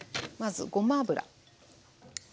まずごま油。